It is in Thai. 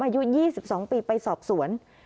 อายุ๒๒ปีไปสอบสวน